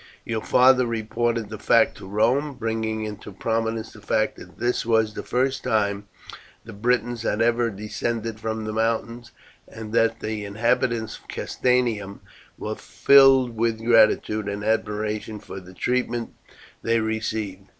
"Your father reported the fact to Rome, bringing into prominence the fact that this was the first time the Britons had ever descended from the mountains, and that the inhabitants of Castanium were filled with gratitude and admiration for the treatment they received.